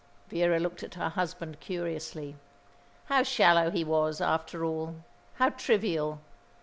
Vera looked at her husband curiously. How shallow he was, after all, how trivial!